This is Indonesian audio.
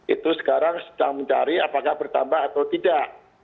itu sekarang sedang mencari apakah bertambah atau tidak